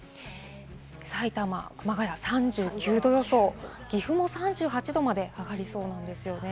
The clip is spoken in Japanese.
埼玉、熊谷３９度予想、岐阜も３８度まで上がりそうです。